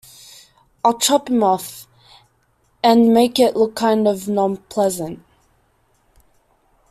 I'll chop him off, and make it look kind of non-pleasant.